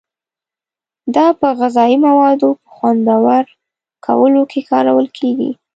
دا په غذایي موادو په خوندور کولو کې کارول کیږي.